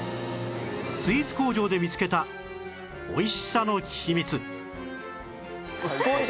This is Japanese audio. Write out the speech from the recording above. スイーツ工場で見つけた美味しさの秘密